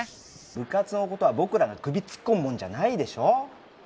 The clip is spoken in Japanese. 部活のことは僕らが首突っ込むもんじゃないでしょ！